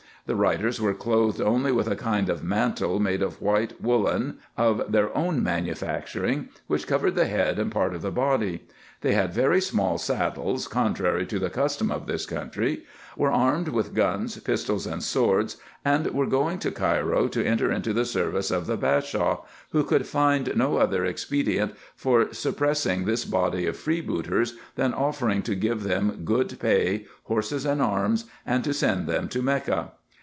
The riders were clothed only with a kind of mantle, made of white woollen, of their own manu facturing, which covered the head, and part of the body. They had very small saddles, contrary to the custom of this country; were armed with guns, pistols, and swords ; and were going to IN EGYPT, NUBIA, &c 147 Cairo to enter into the service of the Bashaw, who could find no other expedient for suppressing this body of freebooters, than offer ing to give them good pay, horses, and arms, and to send them to Mecca.